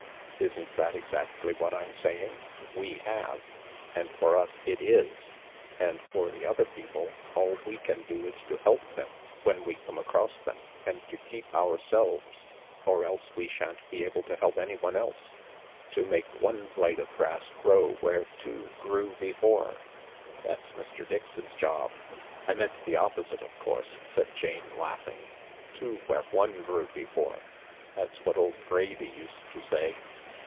" Isn't that exactly what I'm saying ? We have. And for us it is. As for the other people, all we can do is to help them when we come across them, and to keep going our selves, or else we shan't be able to help anyone else. To make one blade of grass grow where two grew before " M That's Mr. Kx's job." " I meant the opposite, of course," said Jane, laughing • "two where one grew before. That's what old Gravy used to say.